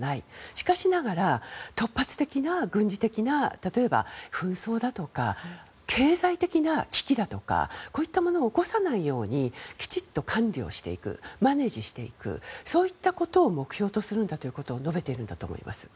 しかしながら、突発的な軍事的な例えば紛争だとか経済的な危機だとかこういったものを起こさないようにきちっと管理していくマネージしていくそういったことを目標とするんだということを述べているんだと思います。